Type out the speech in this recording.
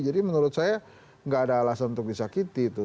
jadi menurut saya gak ada alasan untuk disakiti itu